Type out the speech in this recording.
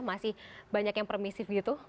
masih banyak yang permisif gitu